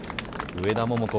上田桃子